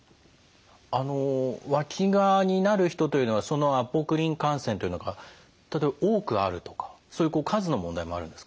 わきがになる人というのはそのアポクリン汗腺というのが例えば多くあるとか数の問題もあるんですか？